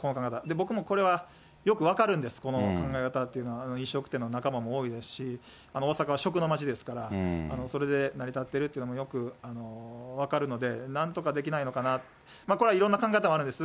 僕もこれは、よく分かるんです、この考え方というのは、飲食店の仲間も多いですし、大阪は食の町ですから、それで成り立っているというのもよく分かるので、なんとかできないのかな、これはいろんな考え方もあるんです。